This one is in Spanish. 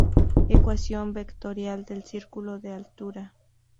Ecuación vectorial del Círculo de Altura.